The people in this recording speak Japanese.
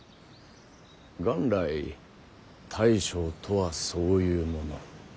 元来大将とはそういうもの。